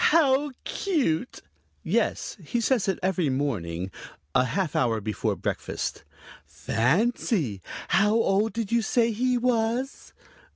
How cute!" "Yes, he says it every morning, a half hour before breakfast." "Fancy! How old did you say he was?"